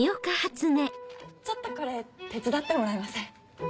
ちょっとこれ手伝ってもらえません？